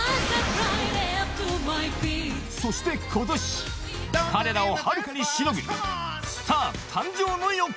そして今年彼らをはるかにしのぐスター誕生の予感